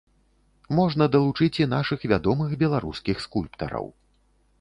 Можна далучыць і нашых вядомых беларускіх скульптараў.